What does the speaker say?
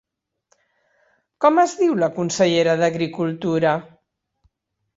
Com es diu la consellera d'Agricultura?